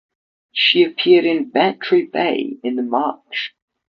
She appeared in "Bantry Bay" in the March.